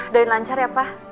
udah lanjar ya pak